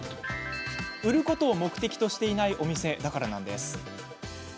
売ることを目的としていないお店だからなんです。